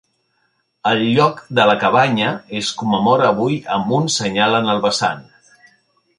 El lloc de la cabanya es commemora avui amb un senyal en el vessant.